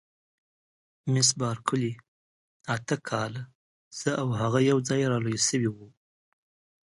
مس بارکلي: اته کاله، زه او هغه یوځای را لوي شوي وو.